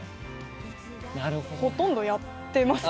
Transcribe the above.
ほとんどやってますけど。